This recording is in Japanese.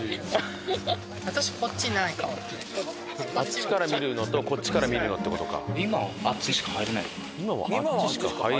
あっちから見るのとこっちから見るのって事か。